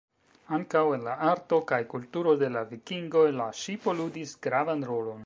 Ankaŭ en la arto kaj kulturo de la Vikingoj la ŝipo ludis gravan rolon.